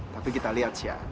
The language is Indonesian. tapi kita lihat sih ya